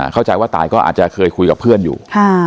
เข้าใจว่าตายก็อาจจะเคยคุยกับเพื่อนอยู่